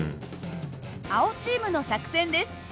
青チームの作戦です。